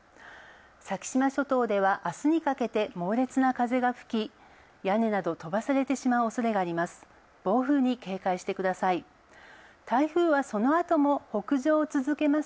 先島諸島では、明日にかけて猛烈な風が吹き屋根など飛ばされてしまう恐れがあります。